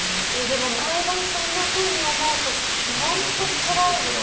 でも毎晩そんなふうに思うと本当つらいですよね。